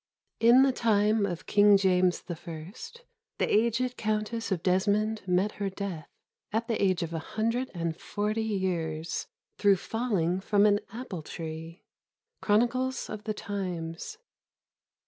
" In the time of King James I., the aged Countess of Desmond met her death, at the age of a hundred and forty years, through falling from an apple tree." — Chronicles of the Times.